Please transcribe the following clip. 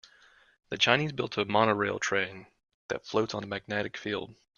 The Chinese built a monorail train that floats on a magnetic field.